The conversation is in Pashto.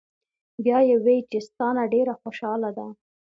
" بیا ئې وې چې " ستا نه ډېره خوشاله ده